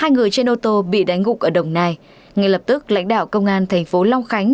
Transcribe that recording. hai người trên ô tô bị đánh gục ở đồng nai ngay lập tức lãnh đạo công an thành phố long khánh